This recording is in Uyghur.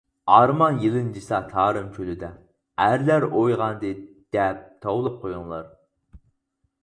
ئارمان يېلىنجىسا تارىم چۆلىدە، ئەرلەر ئويغاندى دەپ توۋلاپ قويۇڭلار!